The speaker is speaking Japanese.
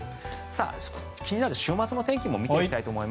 気になる週末の天気も見ていきましょう。